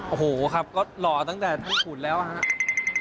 โอ้โหครับก็หล่อตั้งแต่ญี่ปุ่นแล้วครับ